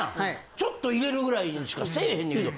ちょっと入れるぐらいにしかせえへんねんけど。